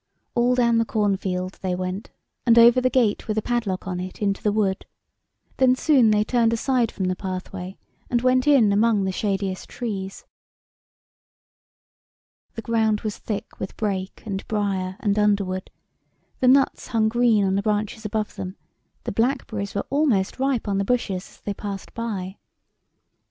All down the cornfield they went, and over the gate with the padlock on it into the wood. Then soon they turned aside from the pathway and went in among the shadiest trees. The ground was thick with brake and briar and underwood, the nuts hung green on the branches above them, the blackberries were almost ripe on the bushes as they passed by.